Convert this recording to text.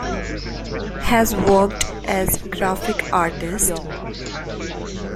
Has worked as graphic artist.